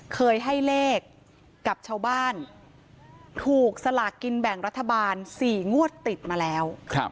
เคยให้เลขกับชาวบ้านถูกสลากกินแบ่งรัฐบาล๔งวดติดมาแล้ว